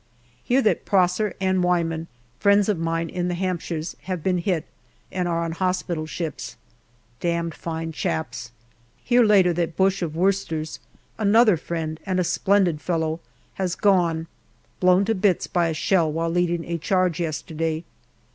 Hear that Prosser and Wyman, friends of mine in the Hampshires, have been hit and are on hospital ships. Damned fine chaps ! Hear later that Bush, of Worcesters, another friend and a splendid fellow, has gone, blown to bits by a shell while leading a charge yesterday.